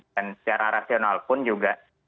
secara rasional pun juga